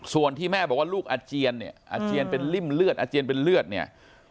ส่วนที่แม่บอกว่าลูกอาเจียนเนี่ยอาเจียนเป็นริ่มเลือดอาเจียนเป็นเลือดเนี่ย